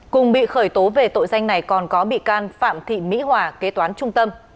cùng bị khởi tố về tội danh này còn có bị can phạm thị mỹ hòa kế toán trung tâm